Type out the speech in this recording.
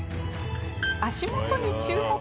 足元に注目。